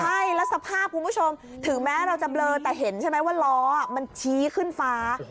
ใช่แล้วสภาพคุณผู้ชมถึงแม้เราจะเบลอแต่เห็นใช่ไหมว่าล้อมันชี้ขึ้นฟ้า